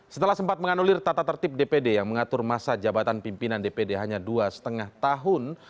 setelah sempat menganulir tata tertib dpd yang mengatur masa jabatan pimpinan dpd hanya dua lima tahun